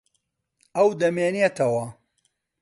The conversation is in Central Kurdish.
ئەو دەمێنێتەوە.